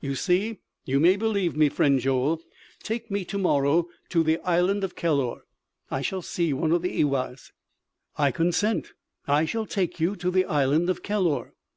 "You see, you may believe me, friend Joel. Take me to morrow to the island of Kellor; I shall see one of the ewaghs." "I consent. I shall take you to the island of Kellor."